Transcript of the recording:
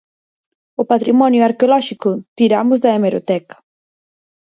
O patrimonio arqueolóxico Tiramos de hemeroteca?